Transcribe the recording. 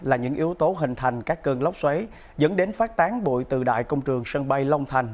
là những yếu tố hình thành các cơn lốc xoáy dẫn đến phát tán bụi từ đại công trường sân bay long thành